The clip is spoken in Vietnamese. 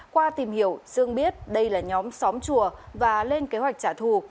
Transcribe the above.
qua tìm hiểu dương biết đây là nhóm xóm chùa và lên kế hoạch trả thù